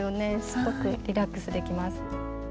すごくリラックスできます。